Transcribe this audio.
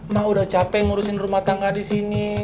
mah udah capek ngurusin rumah tangga di sini